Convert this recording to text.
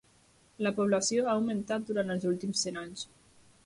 La població ha augmentat durant els últims cent anys.